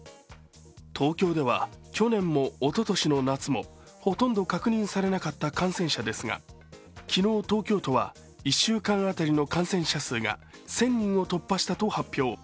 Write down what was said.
東京では去年もおととしの夏もほとんど確認されなかった感染者ですが昨日、東京都は１週間当たりの感染者数が１０００人を突破したと発表。